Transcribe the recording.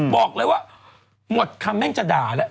บอกเลยว่าหมดคำแม่งจะด่าแล้ว